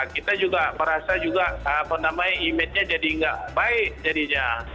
kita juga merasa juga apa namanya image nya jadi nggak baik jadinya